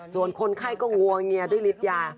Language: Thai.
ส่วนคนไข้ก็หัวเงียดด้วยลิตยา